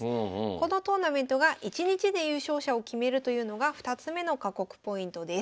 このトーナメントが１日で優勝者を決めるというのが２つ目の過酷ポイントです。